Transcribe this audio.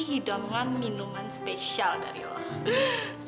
hidangan minuman spesial dari olahraga